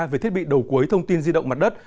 về thiết bị đầu cuối thông tin di động mặt đất